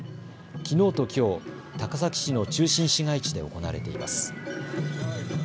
きのうときょう、高崎市の中心市街地で行われています。